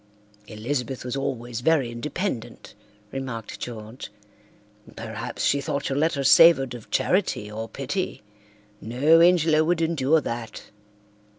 "Elizabeth was always very independent," remarked George. "Perhaps she thought your letter savoured of charity or pity. No Ingelow would endure that."